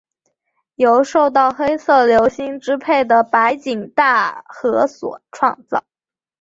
由受到黑色流星支配的白井大和所创造。